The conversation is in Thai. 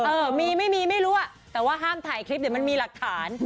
เออมีไม่มีไม่รู้อ่ะแต่ว่าห้ามถ่ายคลิปเดี๋ยวมันมีหลักฐาน